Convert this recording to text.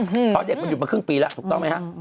เพราะเด็กมันหยุดมาครึ่งปีแล้วถูกต้องไหมฮะ